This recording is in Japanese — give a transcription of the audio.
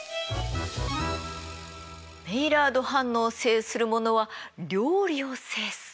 メイラード反応を制する者は料理を制す。